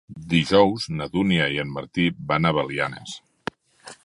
Dijous na Dúnia i en Martí van a Belianes.